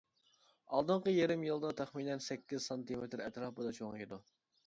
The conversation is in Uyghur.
ئالدىنقى يېرىم يىلدا تەخمىنەن سەككىز سانتىمېتىر ئەتراپىدا چوڭىيىدۇ.